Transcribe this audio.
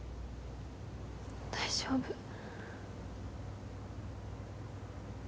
大丈夫。